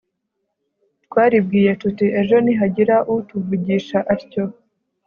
twaribwiye tuti 'ejo nihagira utuvugisha atyo